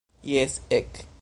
Jes, ek!